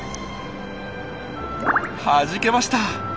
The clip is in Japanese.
はじけました！